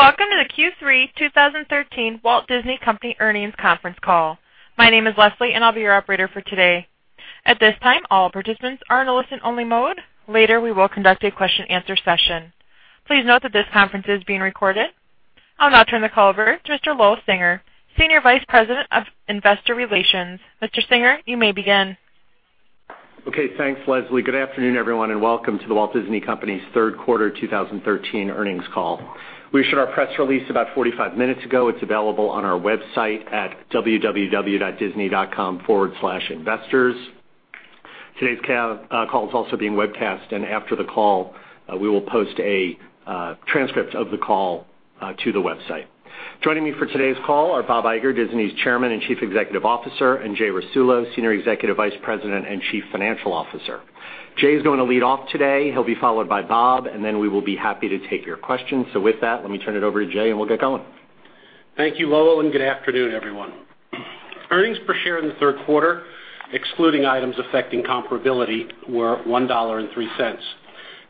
Welcome to the Q3 2013 The Walt Disney Company earnings conference call. My name is Leslie, and I'll be your operator for today. At this time, all participants are in a listen-only mode. Later, we will conduct a question-answer session. Please note that this conference is being recorded. I'll now turn the call over to Mr. Lowell Singer, Senior Vice President of Investor Relations. Mr. Singer, you may begin. Okay, thanks, Leslie. Good afternoon, everyone, and welcome to The Walt Disney Company's third quarter 2013 earnings call. We issued our press release about 45 minutes ago. It's available on our website at www.disney.com/investors. Today's call is also being webcast, and after the call, we will post a transcript of the call to the website. Joining me for today's call are Bob Iger, Disney's Chairman and Chief Executive Officer, and Jay Rasulo, Senior Executive Vice President and Chief Financial Officer. Jay is going to lead off today. He'll be followed by Bob, and then we will be happy to take your questions. With that, let me turn it over to Jay, and we'll get going. Thank you, Lowell, and good afternoon, everyone. Earnings per share in the third quarter, excluding items affecting comparability, were $1.03.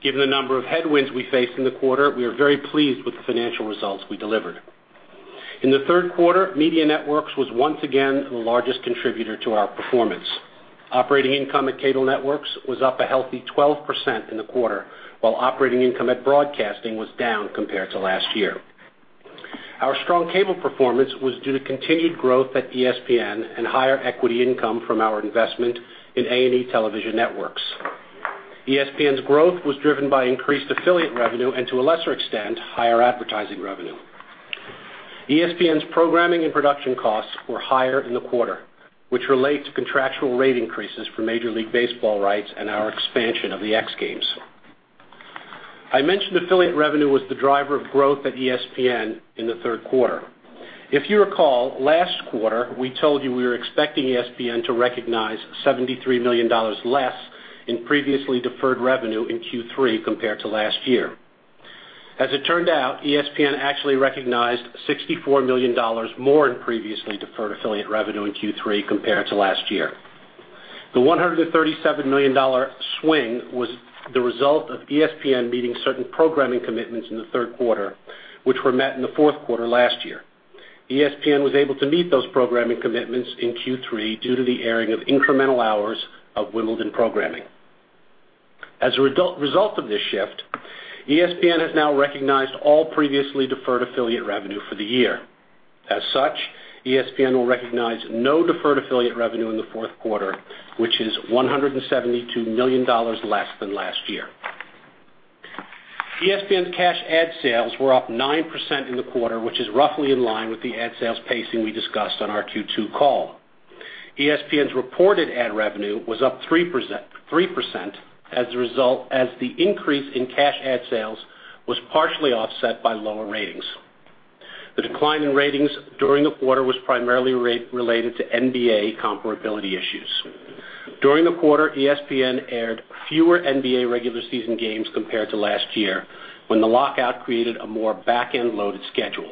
Given the number of headwinds we faced in the quarter, we are very pleased with the financial results we delivered. In the third quarter, Media Networks was once again the largest contributor to our performance. Operating income at Cable Networks was up a healthy 12% in the quarter, while operating income at Broadcasting was down compared to last year. Our strong cable performance was due to continued growth at ESPN and higher equity income from our investment in A&E Television Networks. ESPN's growth was driven by increased affiliate revenue and, to a lesser extent, higher advertising revenue. ESPN's programming and production costs were higher in the quarter, which relate to contractual rate increases for Major League Baseball rights and our expansion of the X Games. I mentioned affiliate revenue was the driver of growth at ESPN in the third quarter. If you recall, last quarter, we told you we were expecting ESPN to recognize $73 million less in previously deferred revenue in Q3 compared to last year. As it turned out, ESPN actually recognized $64 million more in previously deferred affiliate revenue in Q3 compared to last year. The $137 million swing was the result of ESPN meeting certain programming commitments in the third quarter, which were met in the fourth quarter last year. ESPN was able to meet those programming commitments in Q3 due to the airing of incremental hours of Wimbledon programming. As a result of this shift, ESPN has now recognized all previously deferred affiliate revenue for the year. As such, ESPN will recognize no deferred affiliate revenue in the fourth quarter, which is $172 million less than last year. ESPN's cash ad sales were up 9% in the quarter, which is roughly in line with the ad sales pacing we discussed on our Q2 call. ESPN's reported ad revenue was up 3% as the increase in cash ad sales was partially offset by lower ratings. The decline in ratings during the quarter was primarily related to NBA comparability issues. During the quarter, ESPN aired fewer NBA regular season games compared to last year when the lockout created a more back-end loaded schedule.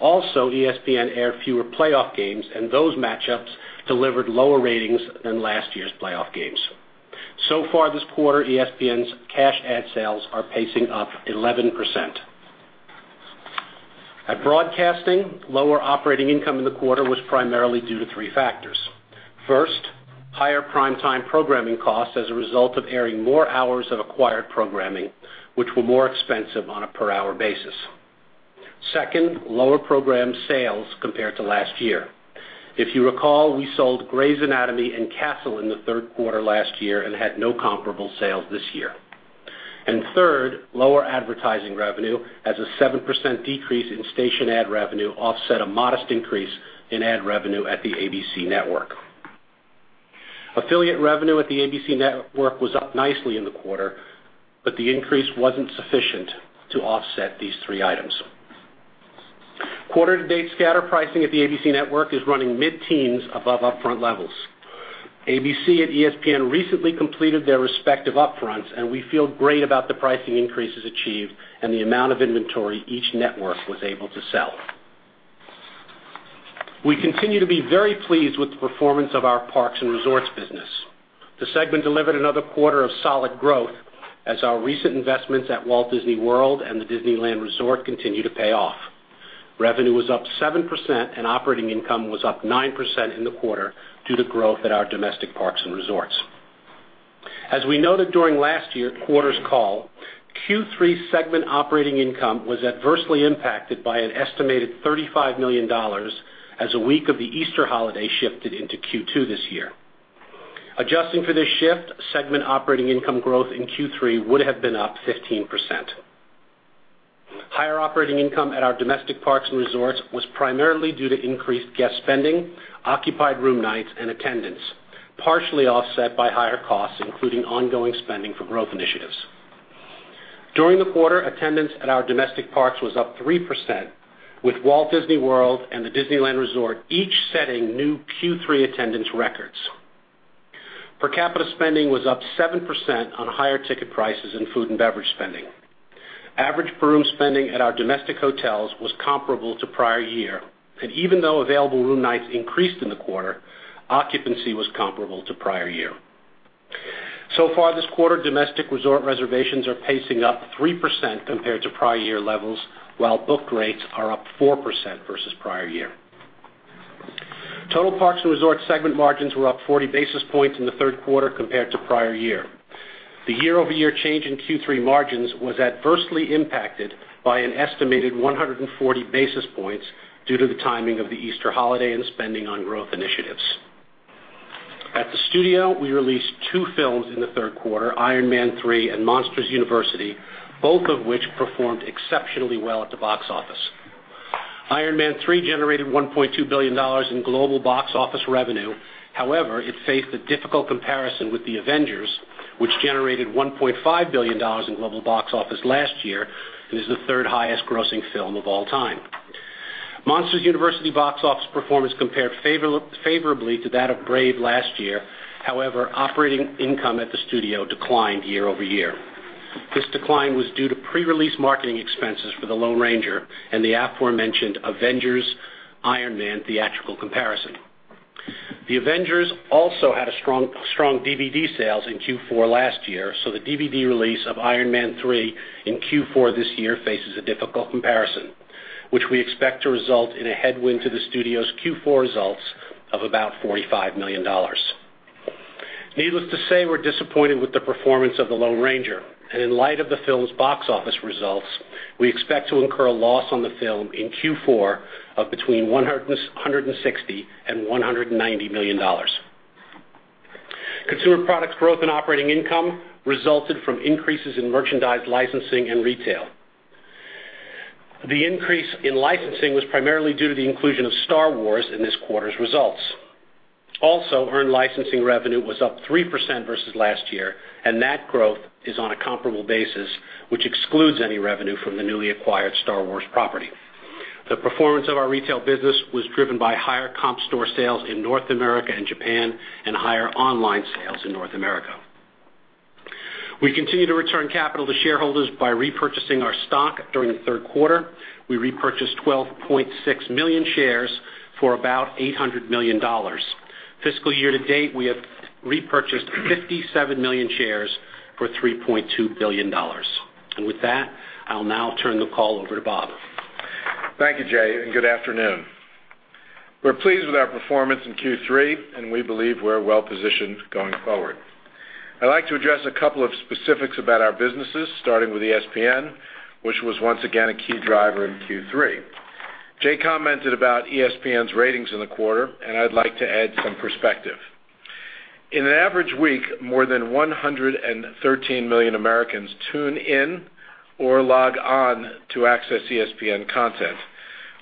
ESPN aired fewer playoff games, and those matchups delivered lower ratings than last year's playoff games. So far this quarter, ESPN's cash ad sales are pacing up 11%. At Broadcasting, lower operating income in the quarter was primarily due to three factors. First, higher prime-time programming costs as a result of airing more hours of acquired programming, which were more expensive on a per-hour basis. Second, lower program sales compared to last year. If you recall, we sold "Grey's Anatomy" and "Castle" in the third quarter last year and had no comparable sales this year. Third, lower advertising revenue as a 7% decrease in station ad revenue offset a modest increase in ad revenue at the ABC network. Affiliate revenue at the ABC network was up nicely in the quarter, but the increase wasn't sufficient to offset these three items. Quarter to date scatter pricing at the ABC network is running mid-teens above upfront levels. ABC and ESPN recently completed their respective upfronts, and we feel great about the pricing increases achieved and the amount of inventory each network was able to sell. We continue to be very pleased with the performance of our parks and resorts business. The segment delivered another quarter of solid growth as our recent investments at Walt Disney World and the Disneyland Resort continue to pay off. Revenue was up 7% and operating income was up 9% in the quarter due to growth at our domestic parks and resorts. As we noted during last year's quarter's call, Q3 segment operating income was adversely impacted by an estimated $35 million as a week of the Easter holiday shifted into Q2 this year. Adjusting for this shift, segment operating income growth in Q3 would have been up 15%. Higher operating income at our domestic parks and resorts was primarily due to increased guest spending, occupied room nights, and attendance, partially offset by higher costs, including ongoing spending for growth initiatives. During the quarter, attendance at our domestic parks was up 3%, with Walt Disney World and the Disneyland Resort each setting new Q3 attendance records. Per capita spending was up 7% on higher ticket prices and food and beverage spending. Average per room spending at our domestic hotels was comparable to the prior year, and even though available room nights increased in the quarter, occupancy was comparable to the prior year. So far this quarter, domestic resort reservations are pacing up 3% compared to prior year levels, while book rates are up 4% versus prior year. Total parks and resorts segment margins were up 40 basis points in the third quarter compared to prior year. The year-over-year change in Q3 margins was adversely impacted by an estimated 140 basis points due to the timing of the Easter holiday and spending on growth initiatives. At the studio, we released two films in the third quarter, "Iron Man 3" and "Monsters University," both of which performed exceptionally well at the box office. Iron Man 3" generated $1.2 billion in global box office revenue. However, it faced a difficult comparison with "The Avengers," which generated $1.5 billion in global box office last year and is the third highest grossing film of all time. "Monsters University" box office performance compared favorably to that of "Brave" last year. However, operating income at the studio declined year-over-year. This decline was due to pre-release marketing expenses for "The Lone Ranger" and the aforementioned "Avengers," "Iron Man" theatrical comparison. "The Avengers" also had a strong DVD sales in Q4 last year, so the DVD release of "Iron Man 3" in Q4 this year faces a difficult comparison, which we expect to result in a headwind to the studio's Q4 results of about $45 million. Needless to say, we're disappointed with the performance of "The Lone Ranger" and in light of the film's box office results, we expect to incur a loss on the film in Q4 of between $160 million and $190 million. Consumer products growth and operating income resulted from increases in merchandise licensing and retail. The increase in licensing was primarily due to the inclusion of Star Wars in this quarter's results. Also, earned licensing revenue was up 3% versus last year, and that growth is on a comparable basis, which excludes any revenue from the newly acquired Star Wars property. The performance of our retail business was driven by higher comp store sales in North America and Japan and higher online sales in North America. We continue to return capital to shareholders by repurchasing our stock during the third quarter. We repurchased 12.6 million shares for about $800 million. Fiscal year-to-date, we have repurchased 57 million shares for $3.2 billion. With that, I'll now turn the call over to Bob. Thank you, Jay, and good afternoon. We're pleased with our performance in Q3, and we believe we're well-positioned going forward. I'd like to address a couple of specifics about our businesses, starting with ESPN, which was once again a key driver in Q3. Jay commented about ESPN's ratings in the quarter, and I'd like to add some perspective. In an average week, more than 113 million Americans tune in or log on to access ESPN content,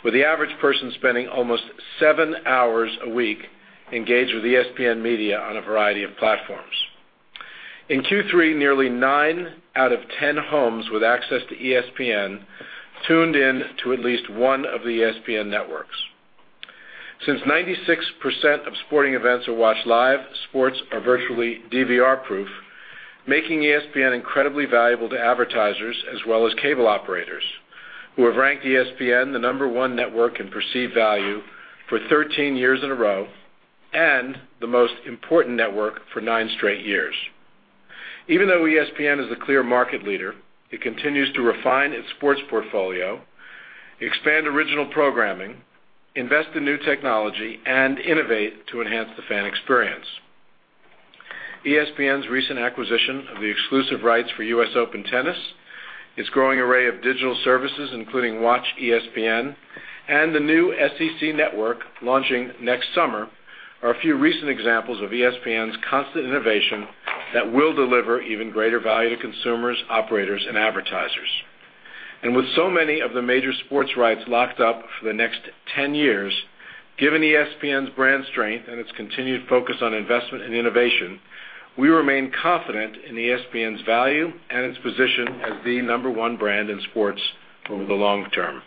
with the average person spending almost seven hours a week engaged with ESPN media on a variety of platforms. In Q3, nearly nine out of 10 homes with access to ESPN tuned in to at least one of the ESPN networks. Since 96% of sporting events are watched live, sports are virtually DVR-proof, making ESPN incredibly valuable to advertisers as well as cable operators who have ranked ESPN the number one network in perceived value for 13 years in a row and the most important network for nine straight years. Even though ESPN is a clear market leader, it continues to refine its sports portfolio, expand original programming, invest in new technology, and innovate to enhance the fan experience. ESPN's recent acquisition of the exclusive rights for US Open Tennis, its growing array of digital services, including WatchESPN, and the new SEC Network launching next summer are a few recent examples of ESPN's constant innovation that will deliver even greater value to consumers, operators, and advertisers. With so many of the major sports rights locked up for the next 10 years, given ESPN's brand strength and its continued focus on investment and innovation, we remain confident in ESPN's value and its position as the number one brand in sports over the long term.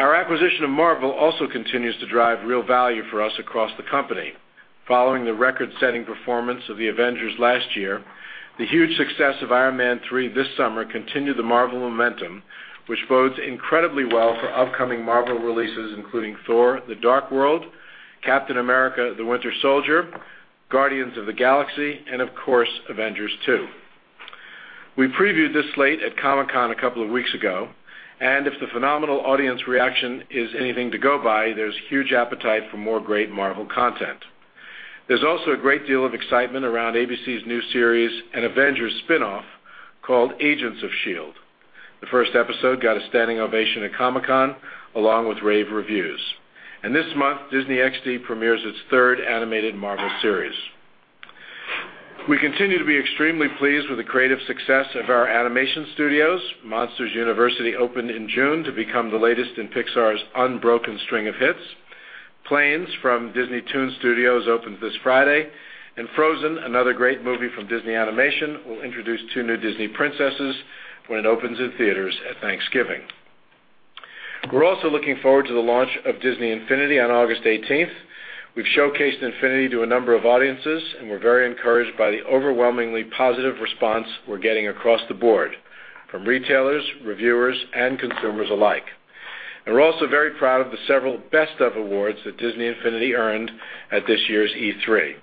Our acquisition of Marvel also continues to drive real value for us across the company. Following the record-setting performance of "The Avengers" last year, the huge success of "Iron Man 3" this summer continued the Marvel momentum, which bodes incredibly well for upcoming Marvel releases, including "Thor: The Dark World," "Captain America: The Winter Soldier," "Guardians of the Galaxy," and of course, "Avengers 2." We previewed this slate at Comic-Con a couple of weeks ago, if the phenomenal audience reaction is anything to go by, there's huge appetite for more great Marvel content. There's also a great deal of excitement around ABC's new series, an Avengers spinoff called "Agents of S.H.I.E.L.D." The first episode got a standing ovation at Comic-Con, along with rave reviews. This month, Disney XD premieres its third animated Marvel series. We continue to be extremely pleased with the creative success of our animation studios. "Monsters University" opened in June to become the latest in Pixar's unbroken string of hits. "Planes" from Disneytoon Studios opens this Friday, and "Frozen," another great movie from Disney Animation, will introduce two new Disney princesses when it opens in theaters at Thanksgiving. We're also looking forward to the launch of Disney Infinity on August 18th. We've showcased Infinity to a number of audiences, we're very encouraged by the overwhelmingly positive response we're getting across the board from retailers, reviewers, and consumers alike. We're also very proud of the several best of awards that Disney Infinity earned at this year's E3.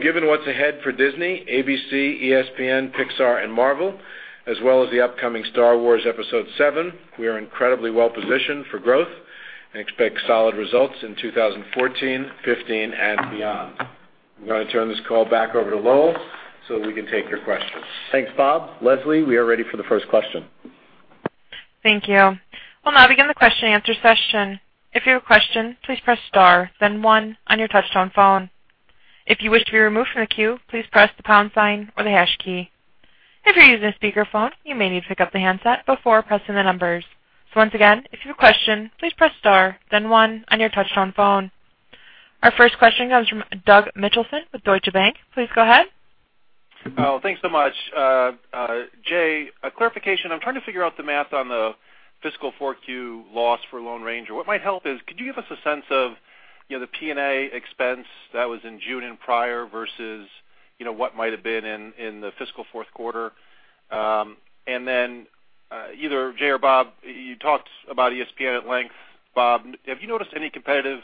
Given what's ahead for Disney, ABC, ESPN, Pixar, and Marvel, as well as the upcoming Star Wars Episode VII, we are incredibly well-positioned for growth and expect solid results in 2014, 2015, and beyond. I'm going to turn this call back over to Lowell so we can take your questions. Thanks, Bob. Leslie, we are ready for the first question. Thank you. We'll now begin the question answer session. If you have a question, please press star, then one on your touch-tone phone. If you wish to be removed from the queue, please press the pound sign or the hash key. If you're using a speakerphone, you may need to pick up the handset before pressing the numbers. Once again, if you have a question, please press star, then one on your touch-tone phone. Our first question comes from Doug Mitchelson with Deutsche Bank. Please go ahead. Thanks so much. Jay, a clarification. I'm trying to figure out the math on the fiscal 4Q loss for The Lone Ranger. What might help is, could you give us a sense of the P&A expense that was in June and prior versus what might have been in the fiscal fourth quarter? Either Jay or Bob, you talked about ESPN at length. Bob, have you noticed any competitive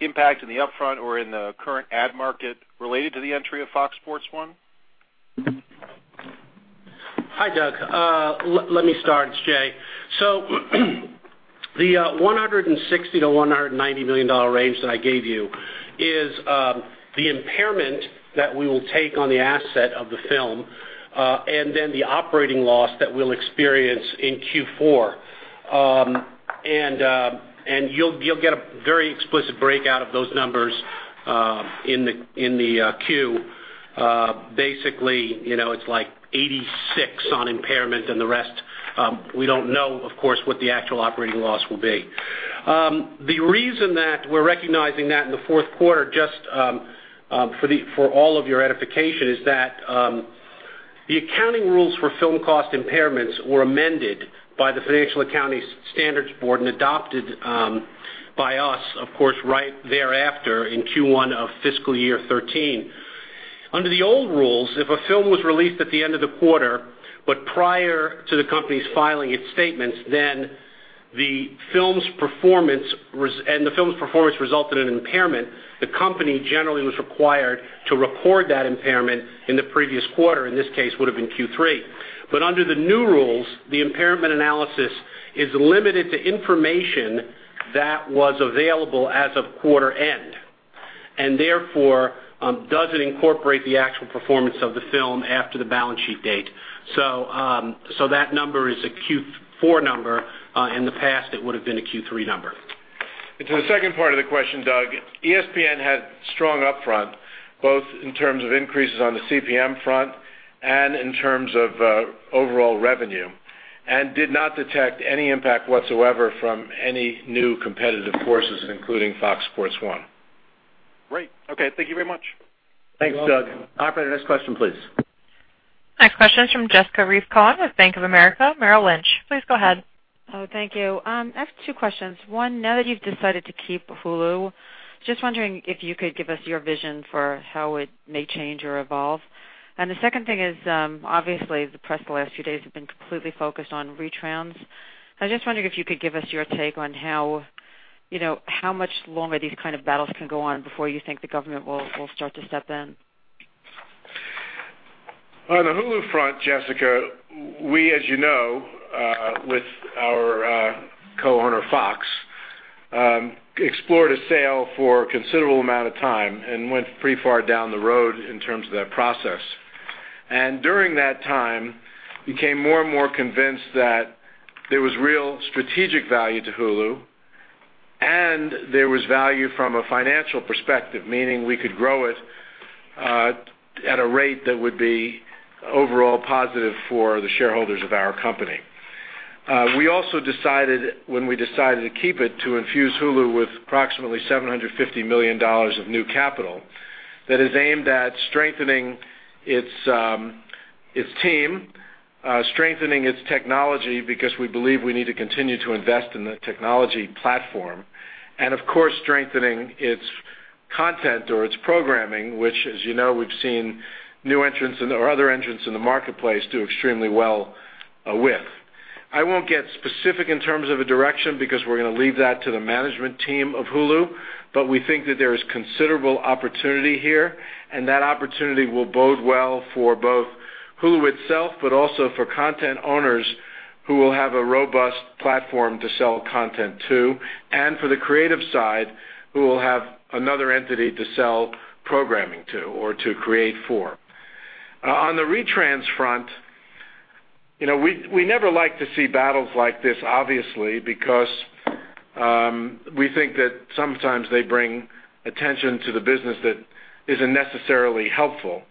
impact in the upfront or in the current ad market related to the entry of Fox Sports 1? Hi, Doug. Let me start. It's Jay. The $160 million-$190 million range that I gave you is the impairment that we will take on the asset of the film and then the operating loss that we'll experience in Q4. You'll get a very explicit breakout of those numbers in the Q. Basically, it's like $86 on impairment. The rest, we don't know, of course, what the actual operating loss will be. The reason that we're recognizing that in the fourth quarter, just for all of your edification, is that the accounting rules for film cost impairments were amended by the Financial Accounting Standards Board and adopted by us, of course, right thereafter in Q1 of fiscal year 2013. Under the old rules, if a film was released at the end of the quarter, but prior to the company's filing its statements, and the film's performance resulted in impairment, the company generally was required to report that impairment in the previous quarter, in this case, would've been Q3. Under the new rules, the impairment analysis is limited to information that was available as of quarter end, and therefore, doesn't incorporate the actual performance of the film after the balance sheet date. That number is a Q4 number. In the past, it would've been a Q3 number. To the second part of the question, Doug, ESPN had strong upfront, both in terms of increases on the CPM front and in terms of overall revenue, and did not detect any impact whatsoever from any new competitive forces, including Fox Sports 1. Great. Okay. Thank you very much. You're welcome. Thanks, Doug. Operator, next question, please. Next question is from Jessica Reif Cohen with Bank of America Merrill Lynch. Please go ahead. Oh, thank you. I have two questions. One, now that you've decided to keep Hulu, just wondering if you could give us your vision for how it may change or evolve. The second thing is, obviously, the press the last few days have been completely focused on retrans. I was just wondering if you could give us your take on how much longer these kind of battles can go on before you think the government will start to step in. On the Hulu front, Jessica, we, as you know, with our co-owner, Fox, explored a sale for a considerable amount of time and went pretty far down the road in terms of that process. During that time, became more and more convinced that there was real strategic value to Hulu and there was value from a financial perspective, meaning we could grow it at a rate that would be overall positive for the shareholders of our company. We also decided, when we decided to keep it, to infuse Hulu with approximately $750 million of new capital that is aimed at strengthening its team, strengthening its technology, because we believe we need to continue to invest in the technology platform. Of course, strengthening its content or its programming, which, as you know, we've seen other entrants in the marketplace do extremely well with. I won't get specific in terms of a direction because we're going to leave that to the management team of Hulu, but we think that there is considerable opportunity here, and that opportunity will bode well for both Hulu itself, but also for content owners who will have a robust platform to sell content to, and for the creative side who will have another entity to sell programming to or to create for. On the retrans front, we never like to see battles like this, obviously, because we think that sometimes they bring attention to the business that isn't necessarily helpful.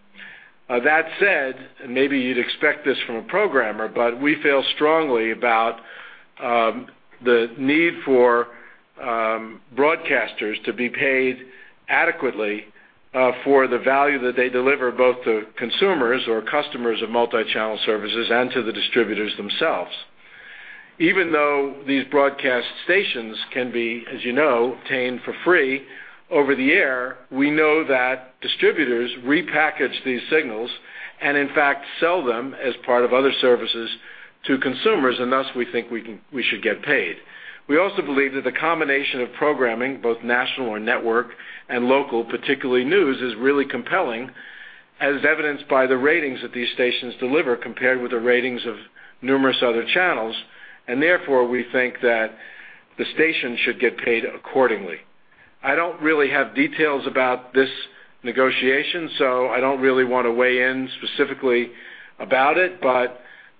That said, maybe you'd expect this from a programmer, but we feel strongly about the need for broadcasters to be paid adequately for the value that they deliver, both to consumers or customers of multi-channel services and to the distributors themselves. Even though these broadcast stations can be, as you know, obtained for free over the air, we know that distributors repackage these signals. In fact, sell them as part of other services to consumers, and thus, we think we should get paid. We also believe that the combination of programming, both national or network and local, particularly news, is really compelling, as evidenced by the ratings that these stations deliver compared with the ratings of numerous other channels, and therefore, we think that the station should get paid accordingly. I don't really have details about this negotiation, so I don't really want to weigh in specifically about it.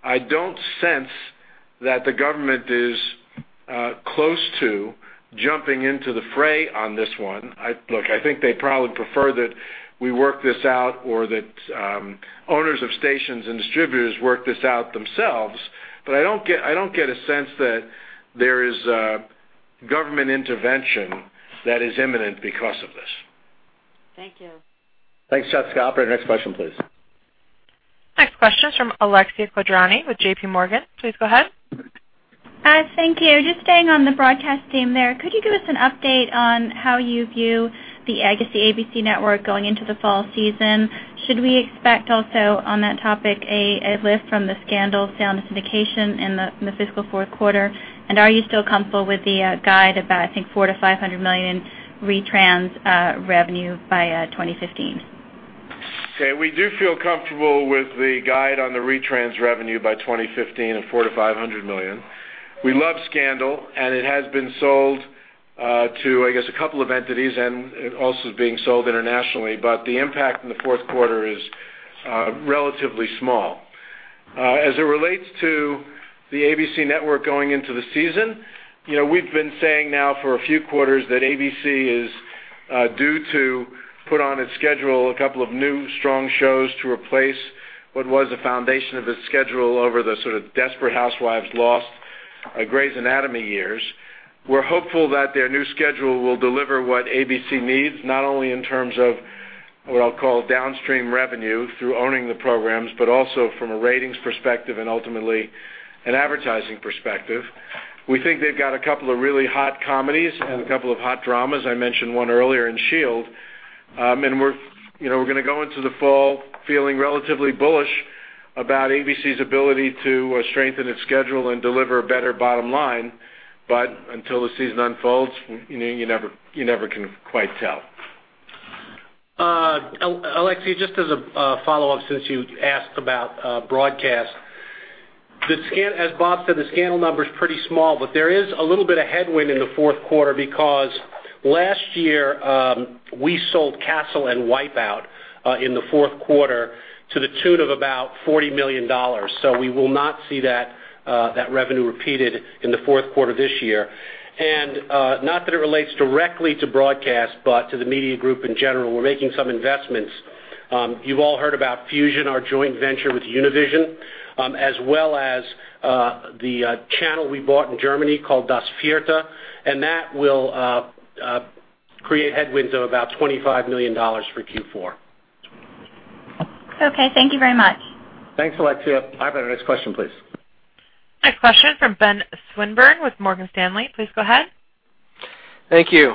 I don't sense that the government is close to jumping into the fray on this one. Look, I think they'd probably prefer that we work this out or that owners of stations and distributors work this out themselves. I don't get a sense that there is government intervention that is imminent because of this. Thank you. Thanks, Jessica. Operator, next question, please. Next question is from Alexia Quadrani with JPMorgan. Please go ahead. Hi. Thank you. Just staying on the broadcast theme there. Could you give us an update on how you view the legacy ABC network going into the fall season? Should we expect also on that topic, a lift from the Scandal sale and the syndication in the fiscal fourth quarter? Are you still comfortable with the guide about, I think, $400 million-$500 million retrans revenue by 2015? Okay. We do feel comfortable with the guide on the retrans revenue by 2015 of $400 million-$500 million. We love Scandal, it has been sold to, I guess, a couple of entities, also is being sold internationally. The impact in the fourth quarter is relatively small. As it relates to the ABC network going into the season, we've been saying now for a few quarters that ABC is due to put on its schedule a couple of new strong shows to replace what was the foundation of its schedule over the sort of Desperate Housewives, Lost, Grey's Anatomy years. We're hopeful that their new schedule will deliver what ABC needs, not only in terms of what I'll call downstream revenue through owning the programs, but also from a ratings perspective and ultimately an advertising perspective. We think they've got a couple of really hot comedies and a couple of hot dramas. I mentioned one earlier in S.H.I.E.L.D. We are going to go into the fall feeling relatively bullish about ABC's ability to strengthen its schedule and deliver a better bottom line, but until the season unfolds, you never can quite tell. Alexia, just as a follow-up, since you asked about broadcast. As Bob said, the Scandal number is pretty small, but there is a little bit of headwind in the fourth quarter because last year, we sold Castle and Wipeout in the fourth quarter to the tune of about $40 million. We will not see that revenue repeated in the fourth quarter this year. Not that it relates directly to broadcast, but to the media group in general, we are making some investments. You have all heard about Fusion, our joint venture with Univision, as well as the channel we bought in Germany called Das Vierte, and that will create headwinds of about $25 million for Q4. Okay. Thank you very much. Thanks, Alexia. Operator, next question, please. Next question from Ben Swinburne with Morgan Stanley. Please go ahead. Thank you.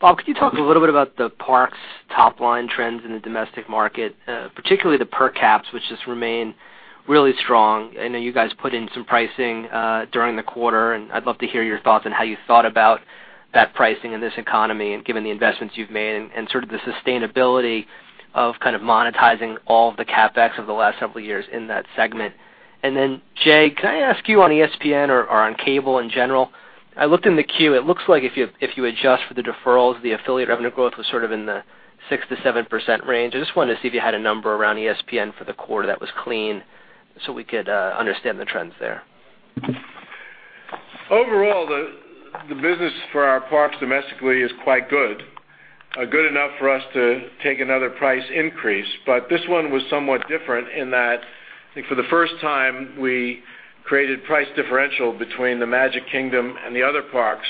Bob, could you talk a little bit about the parks top line trends in the domestic market, particularly the per caps, which has remained really strong? I know you guys put in some pricing during the quarter, and I'd love to hear your thoughts on how you thought about that pricing in this economy and given the investments you've made and sort of the sustainability of kind of monetizing all the CapEx over the last several years in that segment. Then Jay, can I ask you on ESPN or on cable in general? I looked in the queue, it looks like if you adjust for the deferrals, the affiliate revenue growth was sort of in the 6%-7% range. I just wanted to see if you had a number around ESPN for the quarter that was clean so we could understand the trends there. Overall, the business for our parks domestically is quite good. Good enough for us to take another price increase. This one was somewhat different in that, I think for the first time, we created price differential between the Magic Kingdom and the other parks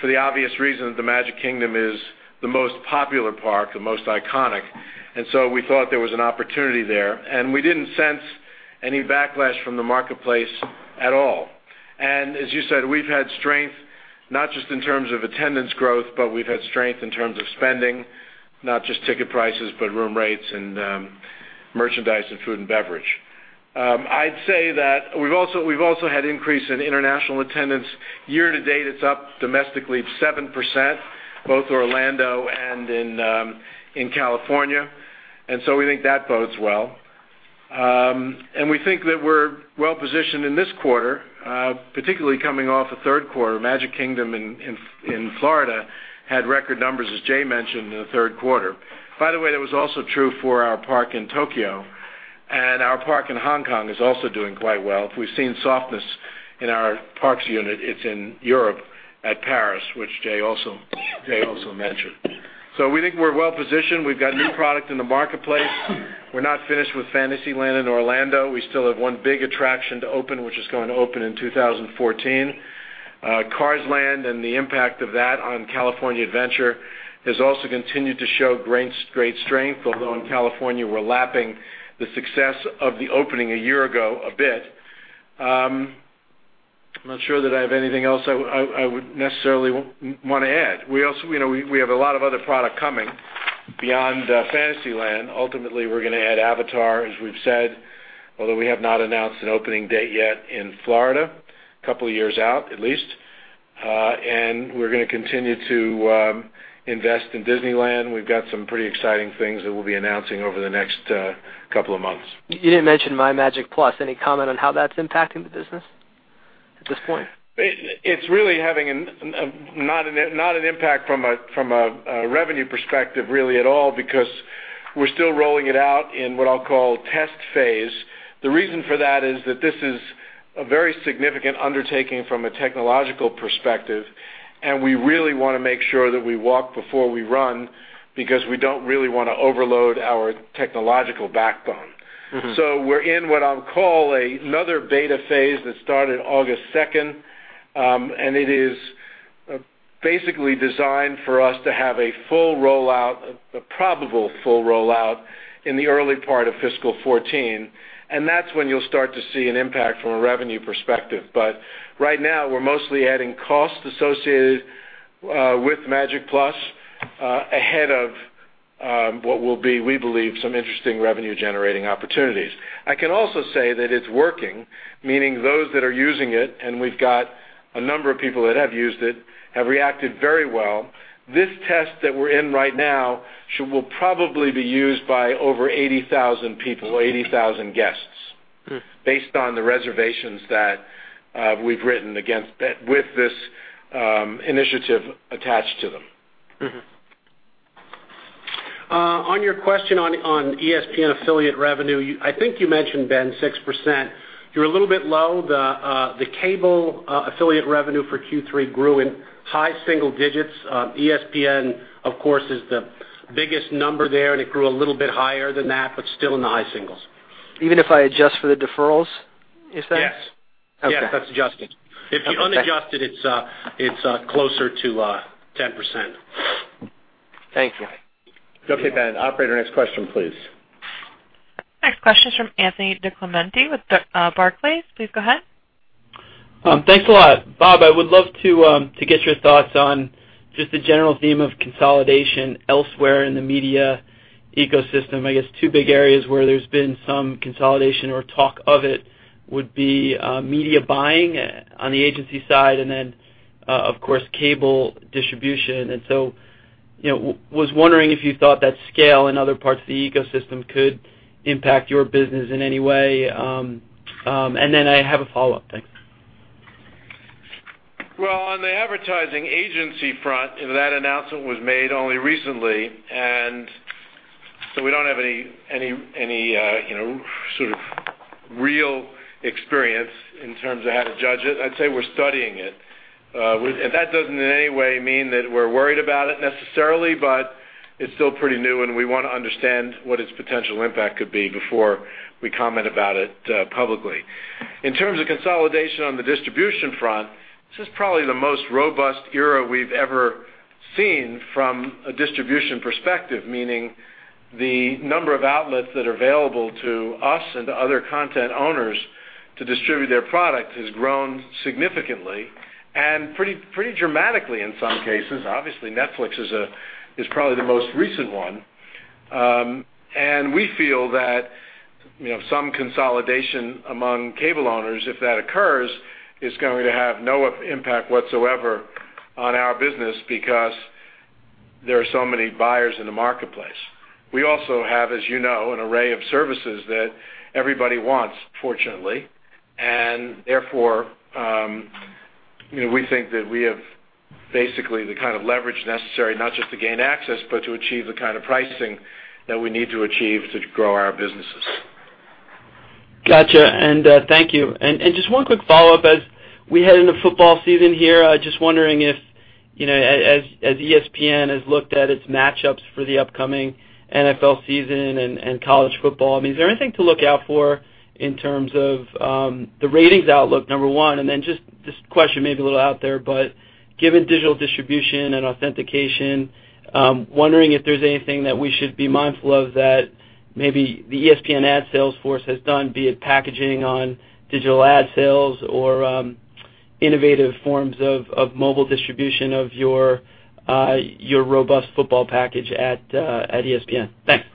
for the obvious reason that the Magic Kingdom is the most popular park, the most iconic. We thought there was an opportunity there. We didn't sense any backlash from the marketplace at all. As you said, we've had strength not just in terms of attendance growth, but we've had strength in terms of spending, not just ticket prices, but room rates and merchandise and food and beverage. I'd say that we've also had increase in international attendance. Year to date, it's up domestically 7%, both Orlando and in California. We think that bodes well. We think that we're well-positioned in this quarter, particularly coming off the third quarter. Magic Kingdom in Florida had record numbers, as Jay mentioned, in the third quarter. By the way, that was also true for our park in Tokyo, and our park in Hong Kong is also doing quite well. If we've seen softness in our parks unit, it's in Europe at Paris, which Jay also mentioned. We think we're well-positioned. We've got new product in the marketplace. We're not finished with Fantasyland in Orlando. We still have one big attraction to open, which is going to open in 2014. Cars Land and the impact of that on California Adventure has also continued to show great strength, although in California, we're lapping the success of the opening a year ago a bit. I'm not sure that I have anything else I would necessarily want to add. We have a lot of other product coming beyond Fantasyland. Ultimately, we're going to add Avatar, as we've said, although we have not announced an opening date yet in Florida. A couple of years out, at least. We're going to continue to invest in Disneyland. We've got some pretty exciting things that we'll be announcing over the next couple of months. You didn't mention MyMagic+. Any comment on how that's impacting the business at this point? It's really having not an impact from a revenue perspective really at all, because we're still rolling it out in what I'll call test phase. The reason for that is that this is a very significant undertaking from a technological perspective. We really want to make sure that we walk before we run, because we don't really want to overload our technological backbone. We're in what I'll call another beta phase that started August 2nd. It is basically designed for us to have a probable full rollout in the early part of fiscal 2014, and that's when you'll start to see an impact from a revenue perspective. Right now, we're mostly adding costs associated with MyMagic+ ahead of what will be, we believe, some interesting revenue-generating opportunities. I can also say that it's working, meaning those that are using it, and we've got a number of people that have used it, have reacted very well. This test that we're in right now will probably be used by over 80,000 people, 80,000 guests based on the reservations that we've written with this initiative attached to them. On your question on ESPN affiliate revenue, I think you mentioned, Ben, 6%. You're a little bit low. The cable affiliate revenue for Q3 grew in high single digits. ESPN, of course, is the biggest number there, and it grew a little bit higher than that, but still in the high singles. Even if I adjust for the deferrals, is that adjusted? Yes. Okay. Yes, that's adjusted. Okay. If you unadjusted, it's closer to 10%. Thank you. Okay, Ben. Operator, next question, please. Next question is from Anthony DiClemente with Barclays. Please go ahead. Thanks a lot. Bob, I would love to get your thoughts on just the general theme of consolidation elsewhere in the media ecosystem. I guess two big areas where there's been some consolidation or talk of it would be media buying on the agency side and then, of course, cable distribution. Was wondering if you thought that scale in other parts of the ecosystem could impact your business in any way. I have a follow-up. Thanks. Well, on the advertising agency front, that announcement was made only recently, so we don't have any sort of real experience in terms of how to judge it. I'd say we're studying it. That doesn't in any way mean that we're worried about it necessarily, but it's still pretty new, we want to understand what its potential impact could be before we comment about it publicly. In terms of consolidation on the distribution front, this is probably the most robust era we've ever seen from a distribution perspective, meaning the number of outlets that are available to us and to other content owners to distribute their product has grown significantly and pretty dramatically in some cases. Obviously, Netflix is probably the most recent one. We feel that some consolidation among cable owners, if that occurs, is going to have no impact whatsoever on our business because there are so many buyers in the marketplace. We also have, as you know, an array of services that everybody wants, fortunately. Therefore, we think that we have basically the kind of leverage necessary not just to gain access, but to achieve the kind of pricing that we need to achieve to grow our businesses. Got you. Thank you. Just one quick follow-up. As we head into football season here, just wondering if as ESPN has looked at its matchups for the upcoming NFL season and college football, is there anything to look out for in terms of the ratings outlook, number one? Then this question may be a little out there, but given digital distribution and authentication, I'm wondering if there's anything that we should be mindful of that maybe the ESPN ad sales force has done, be it packaging on digital ad sales or innovative forms of mobile distribution of your robust football package at ESPN. Thanks.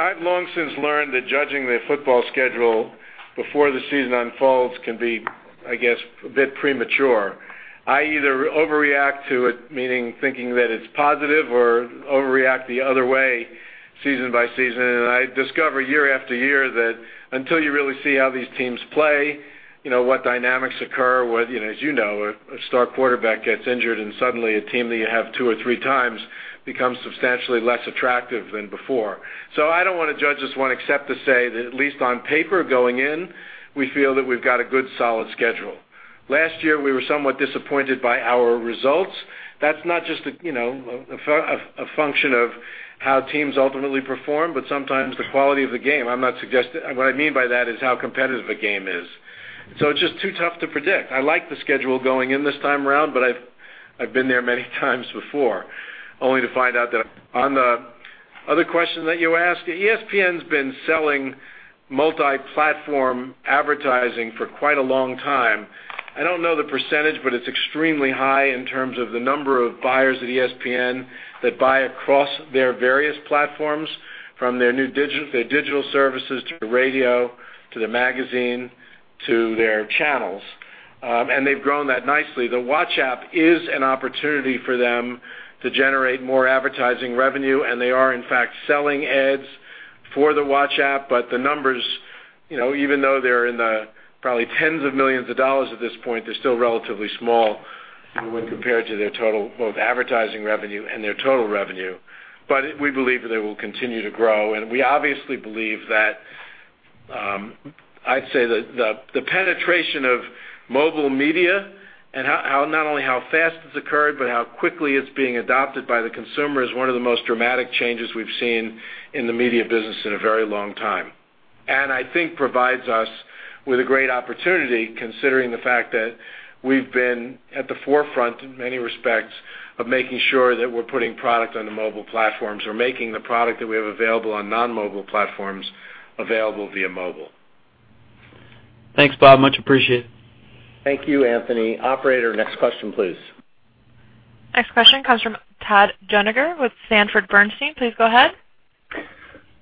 I've long since learned that judging the football schedule before the season unfolds can be, I guess, a bit premature. I either overreact to it, meaning thinking that it's positive or overreact the other way season by season. I discover year after year that until you really see how these teams play, what dynamics occur with, as you know, a star quarterback gets injured and suddenly a team that you have two or three times becomes substantially less attractive than before. I don't want to judge this one except to say that at least on paper going in, we feel that we've got a good, solid schedule. Last year, we were somewhat disappointed by our results. That's not just a function of how teams ultimately perform, but sometimes the quality of the game. What I mean by that is how competitive a game is. It's just too tough to predict. I like the schedule going in this time around, but I've been there many times before only to find out that on the Other question that you ask, ESPN's been selling multi-platform advertising for quite a long time. I don't know the percentage, but it's extremely high in terms of the number of buyers at ESPN that buy across their various platforms, from their digital services to the radio, to the magazine, to their channels. They've grown that nicely. The Watch app is an opportunity for them to generate more advertising revenue, and they are, in fact, selling ads for the Watch app. The numbers, even though they're in the probably tens of millions of dollars at this point, they're still relatively small when compared to their total both advertising revenue and their total revenue. We believe that they will continue to grow. We obviously believe that, I'd say that the penetration of mobile media and not only how fast it's occurred, but how quickly it's being adopted by the consumer is one of the most dramatic changes we've seen in the media business in a very long time. I think provides us with a great opportunity, considering the fact that we've been at the forefront in many respects of making sure that we're putting product on the mobile platforms or making the product that we have available on non-mobile platforms available via mobile. Thanks, Bob. Much appreciated. Thank you, Anthony. Operator, next question, please. Next question comes from Todd Juenger with Sanford Bernstein. Please go ahead.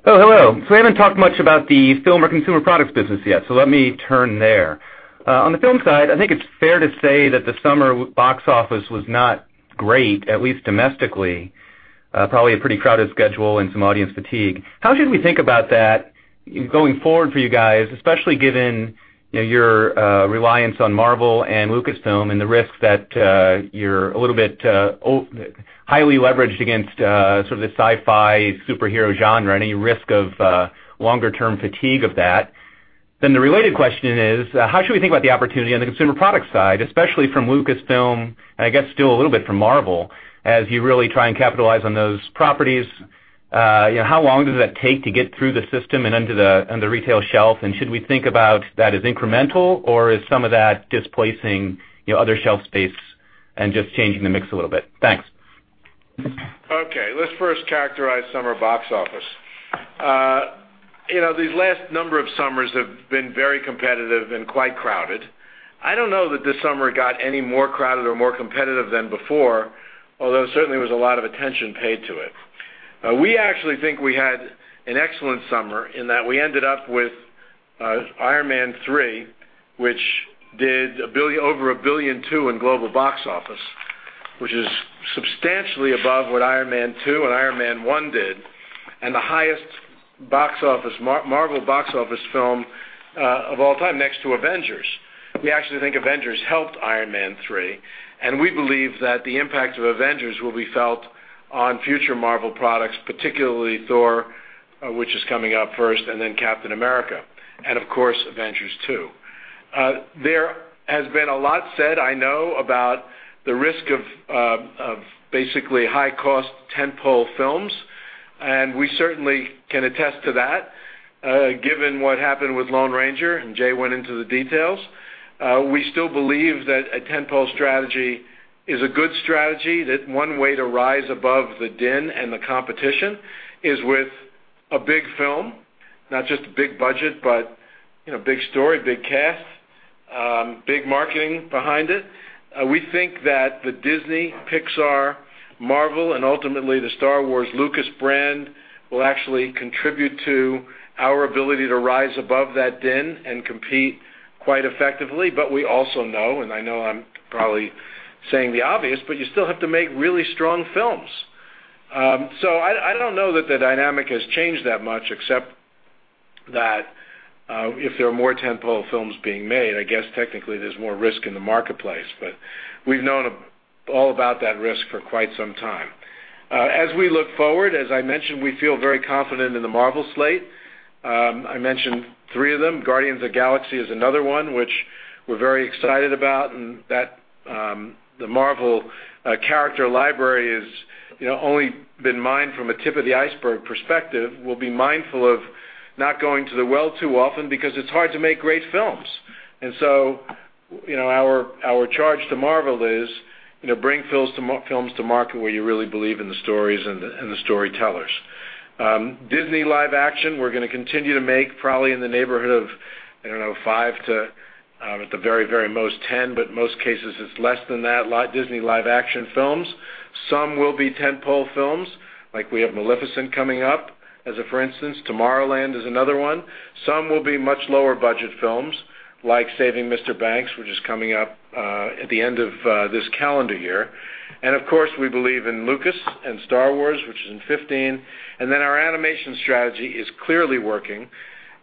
Hello. We haven't talked much about the film or consumer products business yet, so let me turn there. On the film side, I think it's fair to say that the summer box office was not great, at least domestically. Probably a pretty crowded schedule and some audience fatigue. How should we think about that going forward for you guys, especially given your reliance on Marvel and Lucasfilm and the risks that you're a little bit highly leveraged against sort of the sci-fi superhero genre, any risk of longer-term fatigue of that? The related question is, how should we think about the opportunity on the consumer product side, especially from Lucasfilm and I guess still a little bit from Marvel? As you really try and capitalize on those properties, how long does that take to get through the system and on the retail shelf? Should we think about that as incremental, or is some of that displacing other shelf space and just changing the mix a little bit? Thanks. Okay. Let's first characterize summer box office. These last number of summers have been very competitive and quite crowded. I don't know that this summer got any more crowded or more competitive than before, although certainly there was a lot of attention paid to it. We actually think we had an excellent summer in that we ended up with "Iron Man 3," which did over $1.2 billion in global box office, which is substantially above what "Iron Man 2" and "Iron Man" did, and the highest Marvel box office film of all time, next to "The Avengers." We actually think "The Avengers" helped "Iron Man 3," and we believe that the impact of "The Avengers" will be felt on future Marvel products, particularly "Thor," which is coming out first, and then "Captain America," and of course, "Avengers 2." There has been a lot said, I know, about the risk of basically high-cost tent-pole films, and we certainly can attest to that given what happened with "The Lone Ranger," and Jay went into the details. We still believe that a tent-pole strategy is a good strategy, that one way to rise above the din and the competition is with a big film, not just a big budget, but big story, big cast, big marketing behind it. We think that the Disney, Pixar, Marvel, and ultimately the Star Wars Lucas brand will actually contribute to our ability to rise above that din and compete quite effectively. We also know, and I know I'm probably saying the obvious, you still have to make really strong films. I don't know that the dynamic has changed that much, except that if there are more tent-pole films being made, I guess technically there's more risk in the marketplace. We've known all about that risk for quite some time. As we look forward, as I mentioned, we feel very confident in the Marvel slate. I mentioned three of them. "Guardians of the Galaxy" is another one which we're very excited about, and the Marvel character library has only been mined from a tip of the iceberg perspective. We'll be mindful of not going to the well too often because it's hard to make great films. Our charge to Marvel is bring films to market where you really believe in the stories and the storytellers. Disney live action, we're going to continue to make probably in the neighborhood of, I don't know, five to, at the very, very most, 10, but most cases it's less than that. Disney live action films. Some will be tent-pole films. Like we have "Maleficent" coming up as a for instance. "Tomorrowland" is another one. Some will be much lower budget films like "Saving Mr. Banks," which is coming up at the end of this calendar year. Of course, we believe in Lucas and "Star Wars," which is in 2015. Our animation strategy is clearly working.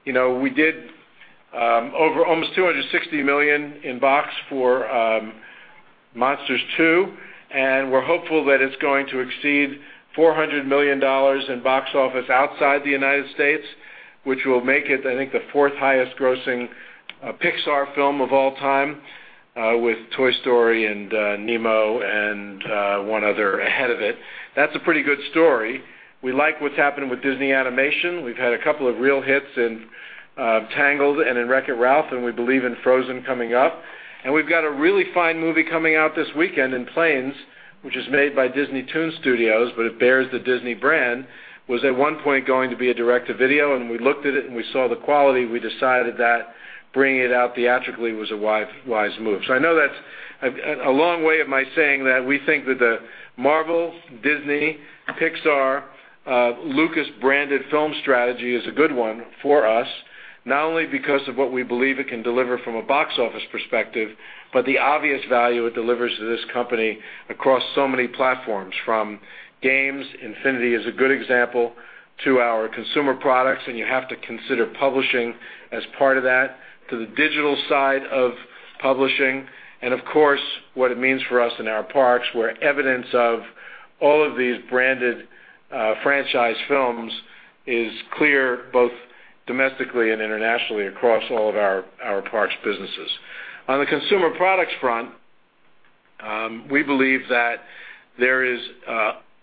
We did almost $260 million in box for "Monsters 2," and we're hopeful that it's going to exceed $400 million in box office outside the U.S., which will make it, I think, the fourth highest grossing Pixar film of all time with "Toy Story" and "Nemo" and one other ahead of it. That's a pretty good story. We like what's happening with Disney Animation. We've had a couple of real hits in "Tangled" and in "Wreck-It Ralph," and we believe in "Frozen" coming up. We've got a really fine movie coming out this weekend in Planes, which is made by Disneytoon Studios, but it bears the Disney brand, was at one point going to be a direct-to-video, and when we looked at it and we saw the quality, we decided that bringing it out theatrically was a wise move. I know that's a long way of my saying that we think that the Marvel, Disney, Pixar, Lucas-branded film strategy is a good one for us, not only because of what we believe it can deliver from a box office perspective, but the obvious value it delivers to this company across so many platforms, from games, Disney Infinity is a good example, to our consumer products, and you have to consider publishing as part of that, to the digital side of publishing, and of course, what it means for us in our parks, where evidence of all of these branded franchise films is clear both domestically and internationally across all of our parks businesses. On the consumer products front, we believe that there is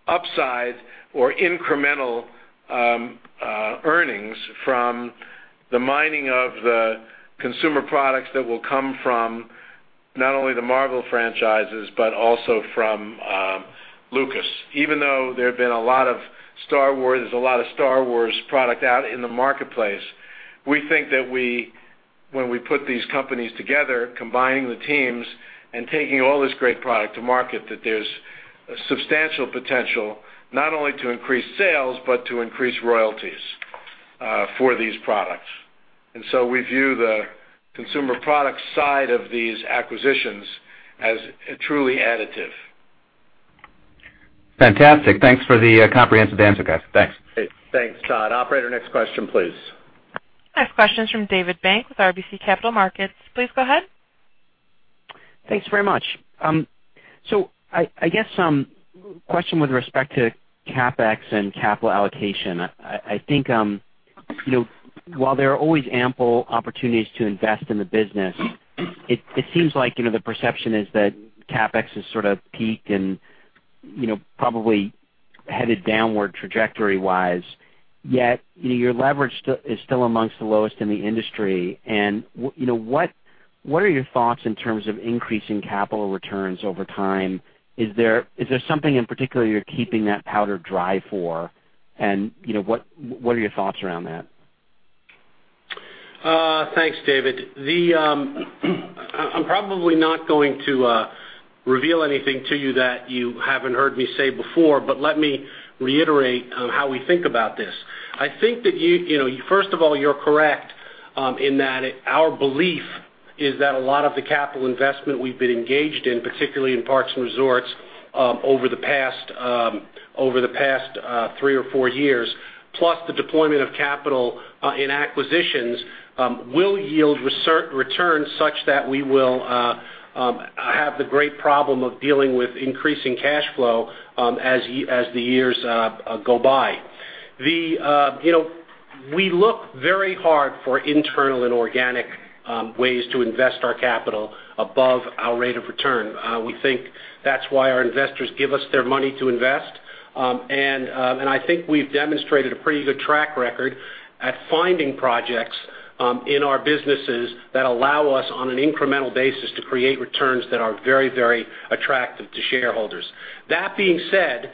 upside or incremental earnings from the mining of the consumer products that will come from not only the Marvel franchises, but also from Lucas. Even though there's a lot of Star Wars product out in the marketplace, we think that when we put these companies together, combining the teams and taking all this great product to market, that there's a substantial potential not only to increase sales, but to increase royalties for these products. We view the consumer products side of these acquisitions as truly additive. Fantastic. Thanks for the comprehensive answer, guys. Thanks. Thanks, Todd. Operator, next question, please. Next question is from David Bank with RBC Capital Markets. Please go ahead. Thanks very much. I guess question with respect to CapEx and capital allocation. I think while there are always ample opportunities to invest in the business, it seems like the perception is that CapEx has sort of peaked and probably headed downward trajectory-wise, yet your leverage is still amongst the lowest in the industry. What are your thoughts in terms of increasing capital returns over time? Is there something in particular you're keeping that powder dry for? What are your thoughts around that? Thanks, David. I'm probably not going to reveal anything to you that you haven't heard me say before, but let me reiterate how we think about this. I think that, first of all, you're correct in that our belief is that a lot of the capital investment we've been engaged in, particularly in parks and resorts over the past three or four years, plus the deployment of capital in acquisitions, will yield returns such that we will have the great problem of dealing with increasing cash flow as the years go by. We look very hard for internal and organic ways to invest our capital above our rate of return. We think that's why our investors give us their money to invest, and I think we've demonstrated a pretty good track record at finding projects in our businesses that allow us, on an incremental basis, to create returns that are very attractive to shareholders. That being said,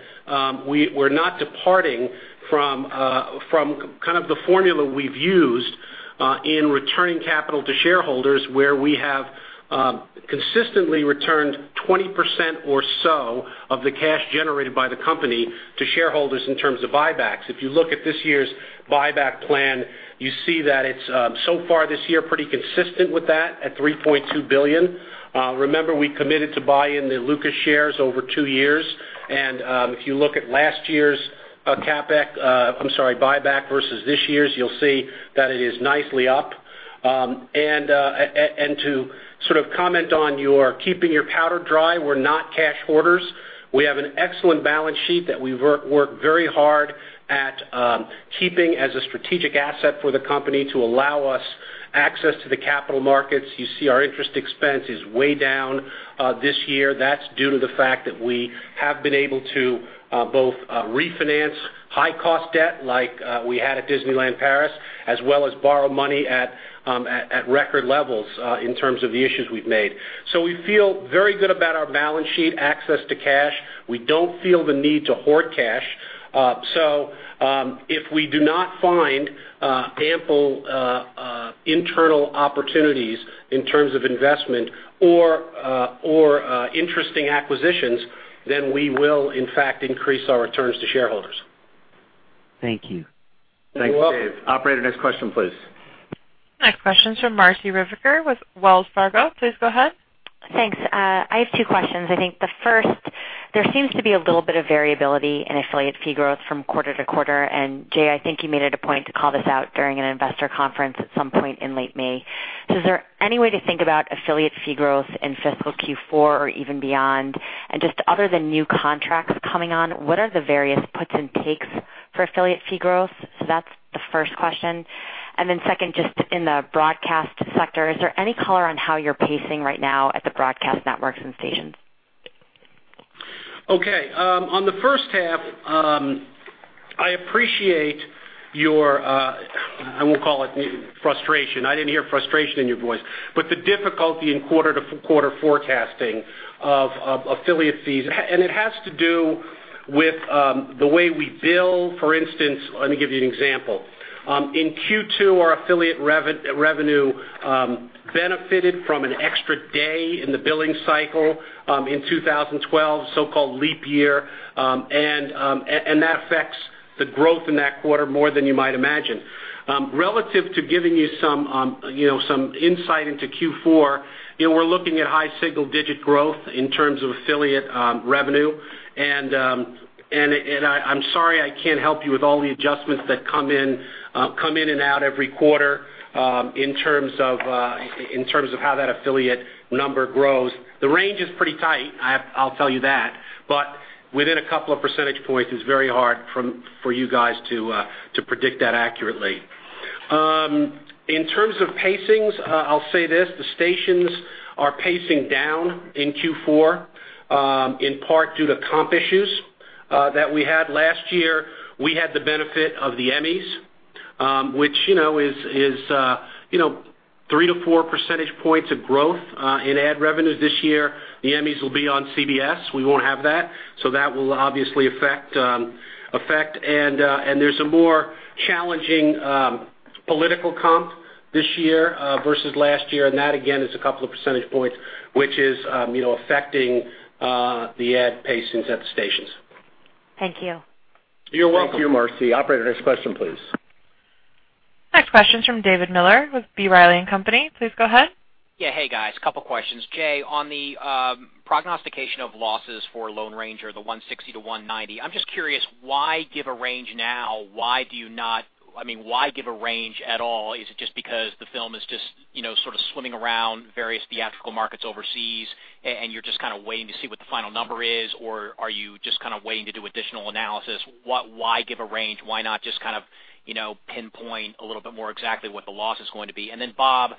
we're not departing from the formula we've used in returning capital to shareholders where we have consistently returned 20% or so of the cash generated by the company to shareholders in terms of buybacks. If you look at this year's buyback plan, you see that it's so far this year pretty consistent with that at $3.2 billion. Remember, we committed to buy in the Lucas shares over two years, if you look at last year's buyback versus this year's, you'll see that it is nicely up. To sort of comment on your keeping your powder dry, we're not cash hoarders. We have an excellent balance sheet that we work very hard at keeping as a strategic asset for the company to allow us access to the capital markets. You see our interest expense is way down this year. That's due to the fact that we have been able to both refinance high-cost debt like we had at Disneyland Paris, as well as borrow money at record levels in terms of the issues we've made. We feel very good about our balance sheet access to cash. We don't feel the need to hoard cash. If we do not find ample internal opportunities in terms of investment or interesting acquisitions, then we will in fact increase our returns to shareholders. Thank you. You're welcome. Thanks, David. Operator, next question, please. Next question is from Marci Ryvicker with Wells Fargo. Please go ahead. Thanks. I have two questions. I think the first, there seems to be a little bit of variability in affiliate fee growth from quarter to quarter, and Jay, I think you made it a point to call this out during an investor conference at some point in late May. Is there any way to think about affiliate fee growth in fiscal Q4 or even beyond? Just other than new contracts coming on, what are the various puts and takes for affiliate fee growth? That's the first question. Second, just in the broadcast sector, is there any color on how you're pacing right now at the broadcast networks and stations? Okay. On the first half, I appreciate your, I won't call it frustration. I didn't hear frustration in your voice, but the difficulty in quarter-to-quarter forecasting of affiliate fees. It has to do with the way we bill. For instance, let me give you an example. In Q2, our affiliate revenue benefited from an extra day in the billing cycle in 2012, so-called leap year, and that affects the growth in that quarter more than you might imagine. Relative to giving you some insight into Q4, we're looking at high single-digit growth in terms of affiliate revenue. I'm sorry, I can't help you with all the adjustments that come in and out every quarter in terms of how that affiliate number grows. The range is pretty tight, I'll tell you that, but within a couple of percentage points, it's very hard for you guys to predict that accurately. In terms of pacings, I'll say this, the stations are pacing down in Q4, in part due to comp issues that we had last year. We had the benefit of the Emmys, which is three to four percentage points of growth in ad revenues this year. The Emmys will be on CBS. We won't have that. That will obviously affect. There's a more challenging political comp this year versus last year, and that again, is a couple of percentage points, which is affecting the ad pacings at the stations. Thank you. You're welcome. Thank you, Marci. Operator, next question, please. Next question is from David Miller with B. Riley & Company. Please go ahead. Yeah. Hey, guys. Couple of questions. Jay, on the prognostication of losses for "Lone Ranger," the $160-$190, I'm just curious, why give a range now? Why give a range at all? Is it just because the film is just sort of swimming around various theatrical markets overseas, and you're just kind of waiting to see what the final number is, or are you just kind of waiting to do additional analysis? Why give a range? Why not just kind of pinpoint a little bit more exactly what the loss is going to be? Bob,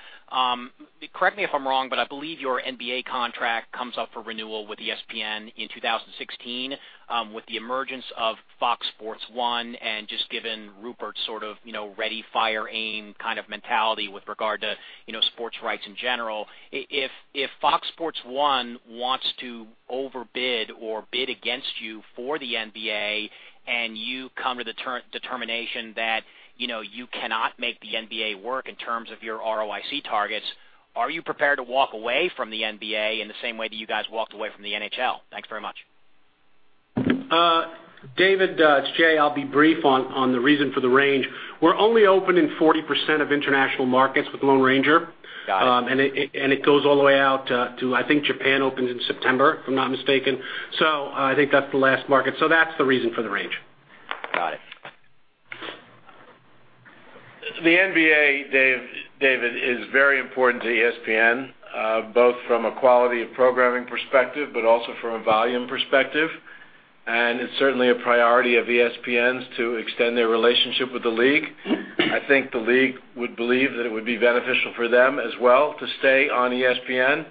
correct me if I'm wrong, but I believe your NBA contract comes up for renewal with ESPN in 2016. With the emergence of Fox Sports 1 and just given Rupert's sort of ready, fire, aim kind of mentality with regard to sports rights in general, if Fox Sports 1 wants to overbid or bid against you for the NBA and you come to the determination that you cannot make the NBA work in terms of your ROIC targets, are you prepared to walk away from the NBA in the same way that you guys walked away from the NHL? Thanks very much. David, it's Jay. I'll be brief on the reason for the range. We're only open in 40% of international markets with "Lone Ranger. Got it. It goes all the way out to, I think Japan opens in September, if I'm not mistaken. I think that's the last market. That's the reason for the range. Got it. The NBA, David, is very important to ESPN, both from a quality of programming perspective, but also from a volume perspective, and it's certainly a priority of ESPN's to extend their relationship with the league. I think the league would believe that it would be beneficial for them as well to stay on ESPN,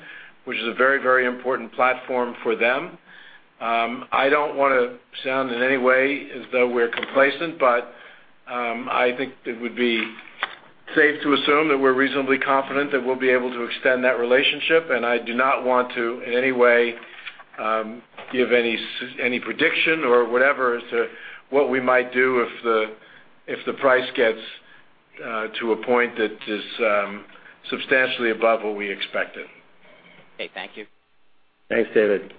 which is a very, very important platform for them. I don't want to sound in any way as though we're complacent, but I think it would be safe to assume that we're reasonably confident that we'll be able to extend that relationship, and I do not want to, in any way, give any prediction or whatever as to what we might do if the price gets to a point that is substantially above what we expected. Okay, thank you. Thanks, David.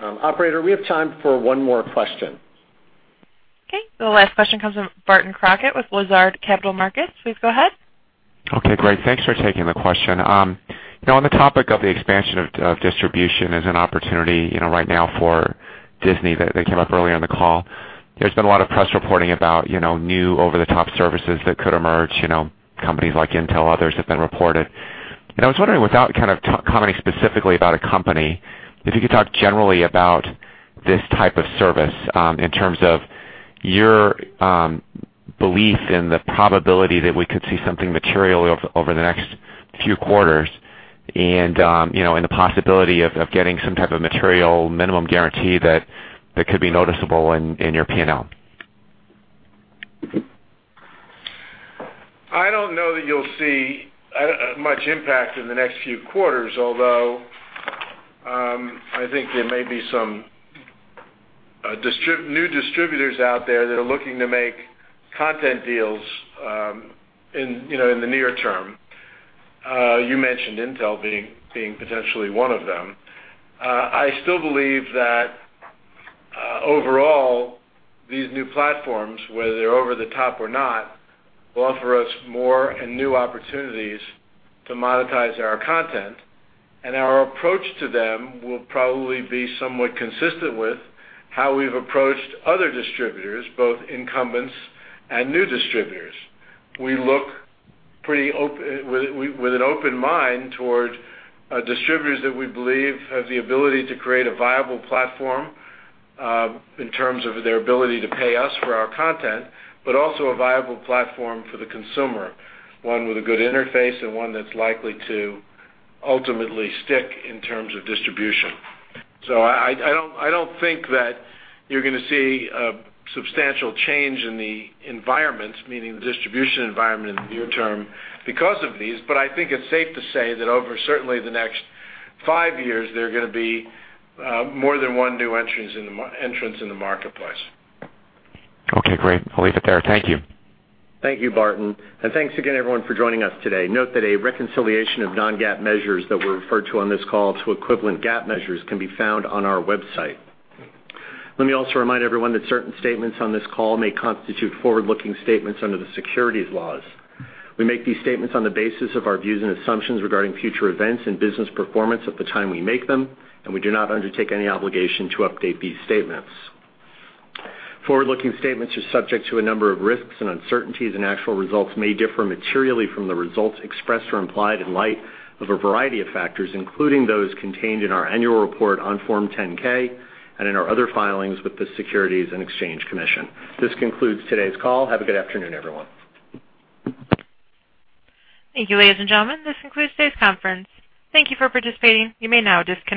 Operator, we have time for one more question. Okay. The last question comes from Barton Crockett with Lazard Capital Markets. Please go ahead. Okay, great. Thanks for taking the question. On the topic of the expansion of distribution as an opportunity right now for Disney that came up earlier in the call, there's been a lot of press reporting about new over-the-top services that could emerge, companies like Intel, others have been reported. I was wondering, without kind of commenting specifically about a company, if you could talk generally about this type of service in terms of your belief in the probability that we could see something material over the next few quarters and the possibility of getting some type of material minimum guarantee that could be noticeable in your P&L. I don't know that you'll see much impact in the next few quarters, although I think there may be some new distributors out there that are looking to make content deals in the near term. You mentioned Intel being potentially one of them. I still believe that overall, these new platforms, whether they're over the top or not, will offer us more and new opportunities to monetize our content, and our approach to them will probably be somewhat consistent with how we've approached other distributors, both incumbents and new distributors. We look with an open mind toward distributors that we believe have the ability to create a viable platform in terms of their ability to pay us for our content, but also a viable platform for the consumer, one with a good interface and one that's likely to ultimately stick in terms of distribution. I don't think that you're going to see a substantial change in the environment, meaning the distribution environment in the near term because of these, but I think it's safe to say that over certainly the next five years, there are going to be more than one new entrants in the marketplace. Okay, great. I'll leave it there. Thank you. Thank you, Barton. Thanks again, everyone, for joining us today. Note that a reconciliation of non-GAAP measures that were referred to on this call to equivalent GAAP measures can be found on our website. Let me also remind everyone that certain statements on this call may constitute forward-looking statements under the securities laws. We make these statements on the basis of our views and assumptions regarding future events and business performance at the time we make them, and we do not undertake any obligation to update these statements. Forward-looking statements are subject to a number of risks and uncertainties, and actual results may differ materially from the results expressed or implied in light of a variety of factors, including those contained in our annual report on Form 10-K and in our other filings with the Securities and Exchange Commission. This concludes today's call. Have a good afternoon, everyone. Thank you, ladies and gentlemen. This concludes today's conference. Thank you for participating. You may now disconnect.